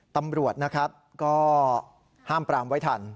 ตำรวจก็ห้ามปรามไว้ทัน